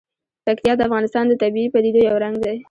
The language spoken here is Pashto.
پکتیا د افغانستان د طبیعي پدیدو یو رنګ دی.